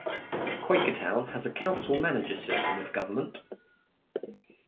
Quakertown has a council-manager system of government.